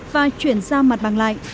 và chuyển ra mặt bằng lại